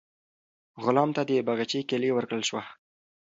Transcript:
غلام ته د باغچې کیلي ورکړل شوه.